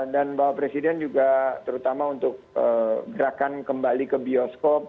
dan bapak presiden juga terutama untuk gerakan kembali ke bioskop